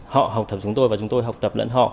họ học tập chúng tôi và chúng tôi học tập lẫn họ